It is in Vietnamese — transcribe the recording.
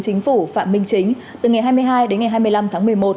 chính phủ phạm minh chính từ ngày hai mươi hai đến ngày hai mươi năm tháng một mươi một